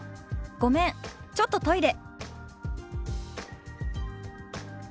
「ごめんちょっとトイレ」。